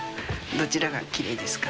どちらがきれいですか？